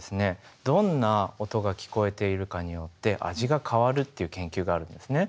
どんな音が聞こえているかによって味が変わるっていう研究があるんですね。